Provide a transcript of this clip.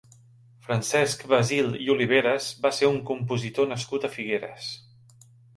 Francesc Basil i Oliveras va ser un compositor nascut a Figueres.